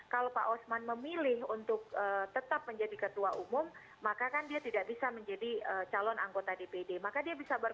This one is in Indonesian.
coba saya kapta secara driver